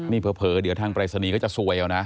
นี่เผลอเดี๋ยวทางปรายศนีย์ก็จะซวยเอานะ